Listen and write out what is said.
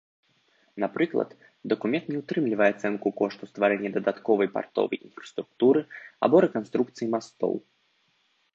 Напрыклад, дакумент не ўтрымлівае ацэнку кошту стварэння дадатковай партовай інфраструктуры або рэканструкцыі мастоў.